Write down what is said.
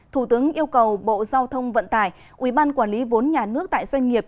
thủ tướng yêu cầu bộ giao thông vận tải quỹ ban quản lý vốn nhà nước tại doanh nghiệp